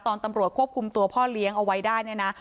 ตำรวจควบคุมตัวพ่อเลี้ยงเอาไว้ได้เนี่ยนะ